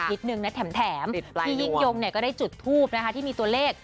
นิดนึงนะแถมพี่ยิ่งยงก็ได้จุดทูปนะคะที่มีตัวเลข